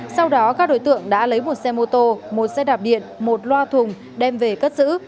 sau đó các đối tượng đã lấy một xe mô tô một xe đạp điện một loa thùng đem về cất giữ